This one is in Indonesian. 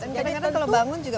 dan kadang kadang kalau bangun juga